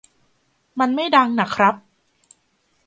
มันไม่ดังน่ะครับ